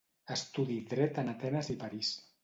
Estudi dret en Atenes i París.